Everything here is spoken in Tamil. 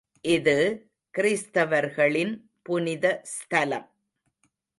இது கிறிஸ்தவர்களின் புனித ஸ்தலம்.